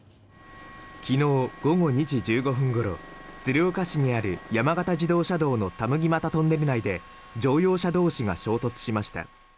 昨日午後２時１５分ごろ鶴岡市にある山形自動車道の田麦俣トンネル内で乗用車同士が衝突しました。